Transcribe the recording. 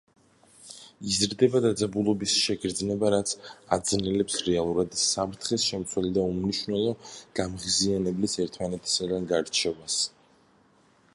იზრდება დაძაბულობის შეგრძნება, რაც აძნელებს რეალურად საფრთხის შემცველი და უმნიშვნელო გამღიზიანებლის ერთმანეთისგან გარჩევას.